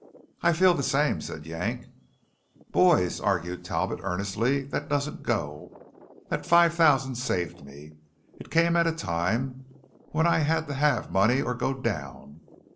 "I feel the same," said Yank. "Boys," argued Talbot earnestly, "that doesn't go. That five thousand saved me. It came at a time when I had to have money or go down.